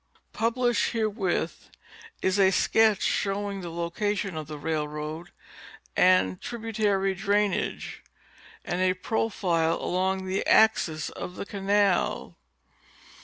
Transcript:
Published herewith is a sketch showing the location of the railroad, canal and tributary drainage, and a profile along the axis of the canal.